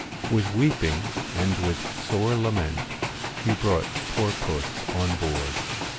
With weeping and with sore lament He brought poor puss on board.